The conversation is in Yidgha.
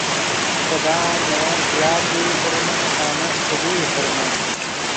خدان نے ین زیات لئی فرمے نمن چے لئی فرمے